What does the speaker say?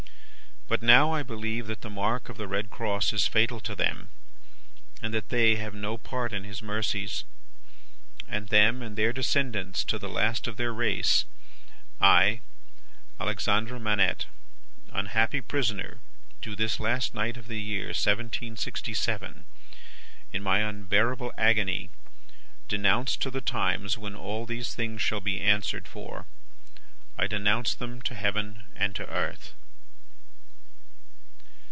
But, now I believe that the mark of the red cross is fatal to them, and that they have no part in His mercies. And them and their descendants, to the last of their race, I, Alexandre Manette, unhappy prisoner, do this last night of the year 1767, in my unbearable agony, denounce to the times when all these things shall be answered for. I denounce them to Heaven and to earth."